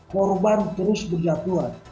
korban terus berjatuhan